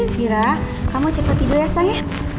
fira kamu cepet tidur ya sang ya